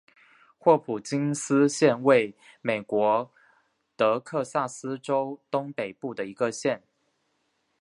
霍普金斯县位美国德克萨斯州东北部的一个县。